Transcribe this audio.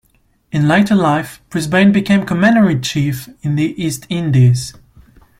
In later life Brisbane became commander-in-chief in the East Indies.